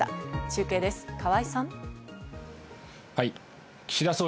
中継です、川合さん。